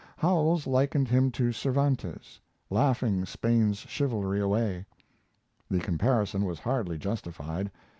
Howells likened him to Cervantes, laughing Spain's chivalry away. The comparison was hardly justified.